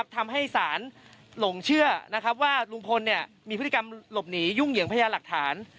ทำให้ศาลหลงเชื่อว่าลุงพลมีพฤติกรรมหลบหนียุ่งเหยิงพญาหลักฐาน